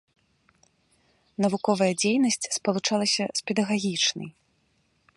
Навуковая дзейнасць спалучалася з педагагічнай.